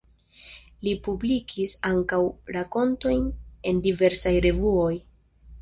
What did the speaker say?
Li publikis ankaŭ rakontojn en diversaj revuoj.